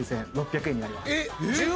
えっ⁉